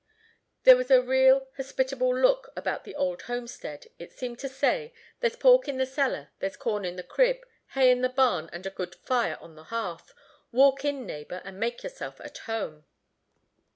There was a real hospitable look about the old homestead; it seemed to say, "There's pork in the cellar, there's corn in the crib, hay in the barn, and a good fire on the hearth: walk in, neighbor, and make yourself at home."